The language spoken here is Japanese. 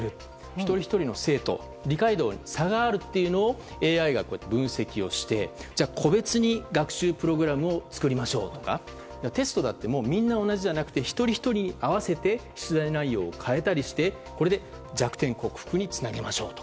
一人ひとりの生徒の理解度に差があるというのをＡＩが分析をして、個別に学習プログラムを作りましょうとかテストだってみんな同じじゃなくて一人ひとりに合わせて出題内容を変えたりして弱点克服につなげましょうと。